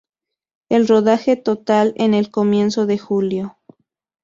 El rodaje total en el comienzo de julio.